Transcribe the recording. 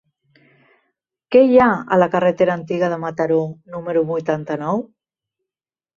Què hi ha a la carretera Antiga de Mataró número vuitanta-nou?